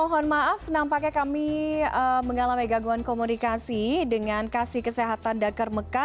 kami mohon maaf nampaknya kami mengalami gaguan komunikasi dengan kasih kesehatan dakar meka